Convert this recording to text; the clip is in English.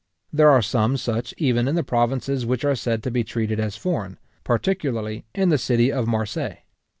There are some such even in the provinces which are said to be treated as foreign, particularly in the city of Marseilles.